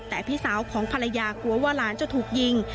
แต่พี่สาวของภรรยากลัวว่าหลานจะถูกยิง